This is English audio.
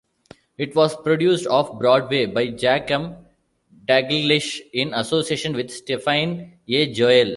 It was produced off-Broadway by Jack M. Dalgleish in association with Stephanie A. Joel.